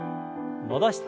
戻して。